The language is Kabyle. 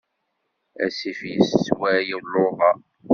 Asif yessesway luḍa.